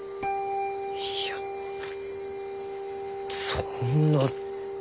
いやそんな。